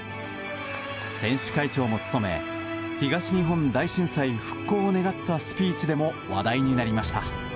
選手会長も務め東日本大震災復興を願ったスピーチでも話題になりました。